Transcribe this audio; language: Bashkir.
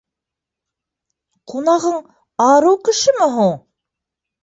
Ҡунағың... арыу кешеме һуң?